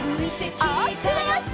おおきくまわして。